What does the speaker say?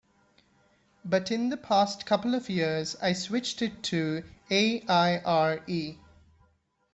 But, in the past couple of years, I switched it to A-I-R-E.